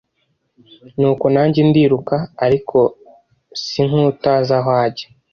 Nuko nanjye ndiruka ariko si nk’utazi aho ajya;